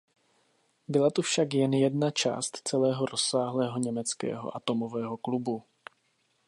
Byla to však jen jedna část celého rozsáhlého německého "atomového klubu".